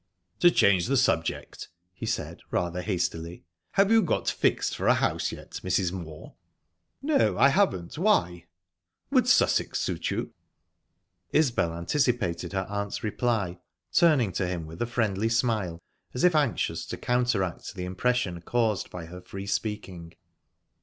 "To change the subject," he said, rather hastily, "have you got fixed for a house yet, Mrs. Moor?" "No, I haven't. Why?" "Would Sussex suit you?" Isbel anticipated her aunt's reply, turning to him with a friendly smile, as if anxious to counteract the impression caused by her free speaking.